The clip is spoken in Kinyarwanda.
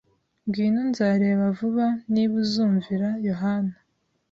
ngwino nzareba vuba niba uzumvira Yohana